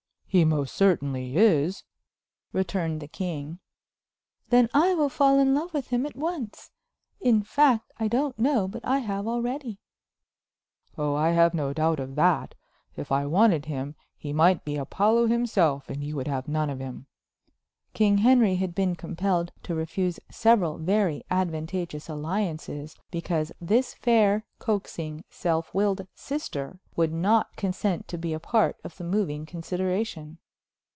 "He most certainly is," returned the king. "Then I will fall in love with him at once. In fact, I don't know but I have already." "Oh, I have no doubt of that; if I wanted him, he might be Apollo himself and you would have none of him." King Henry had been compelled to refuse several very advantageous alliances because this fair, coaxing, self willed sister would not consent to be a part of the moving consideration.